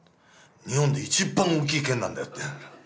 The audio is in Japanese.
日本で一番大きい県なんだよ」って。